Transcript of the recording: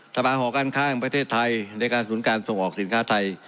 สภาหอการค้าแห่งประเทศไทยในการสนุนการส่งออกสินค้าไทย